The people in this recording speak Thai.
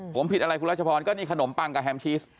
ผมผิดอะไรคุณรัชพรก็นี่ขนมปังกับแฮมชีส